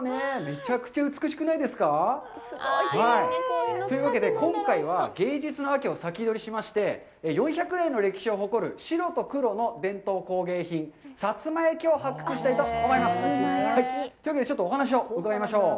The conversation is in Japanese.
めちゃくちゃ美しくないですか？というわけで、今回は、芸術の秋を先取りしまして、４００年の歴史を誇る白と黒の伝統工芸品、薩摩焼を発掘したいと思います！というわけでちょっとお話を伺いましょう。